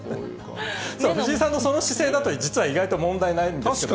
藤井さんのその姿勢だと、実は意外と問題ないんですけれども。